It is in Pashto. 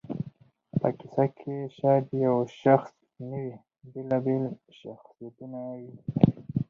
په کیسه کښي شاید یو شخص نه وي، بېلابېل شخصیتونه وي.